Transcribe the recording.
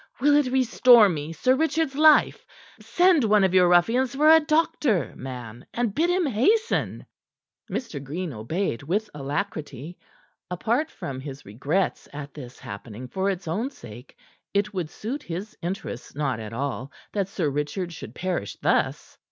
Will it restore me Sir Richard's life? Send one of your ruffians for a doctor, man. And bid him hasten." Mr. Green obeyed with alacrity. Apart from his regrets at this happening for its own sake, it would suit his interests not at all that Sir Richard should perish thus.